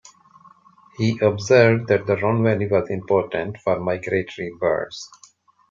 He observed that the Rhone Valley was important for migratory birds.